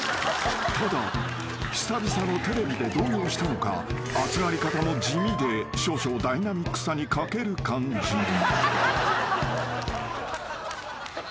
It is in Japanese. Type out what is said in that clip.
［ただ久々のテレビで動揺したのか熱がり方も地味で少々ダイナミックさに欠ける感じに］